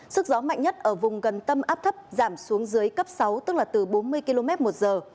sức gió mạnh nhất ở vùng gần tâm áp thấp giảm xuống dưới cấp sáu tức là từ bốn mươi km một giờ